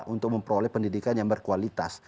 untuk memperoleh pendidikan yang berkualitas